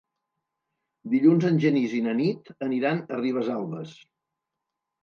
Dilluns en Genís i na Nit aniran a Ribesalbes.